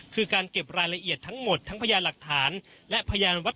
คือการเก็บรายละเอียดทั้งหมดทั้งพยานหลักฐานและพยานวัด